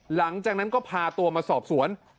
หลังจากนั้นก็พาตัวมาสอบสวน